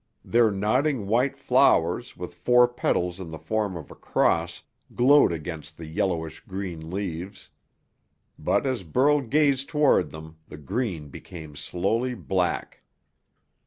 Their nodding white flowers with four petals in the form of a cross glowed against the yellowish green leaves. But as Burl gazed toward them, the green became slowly black.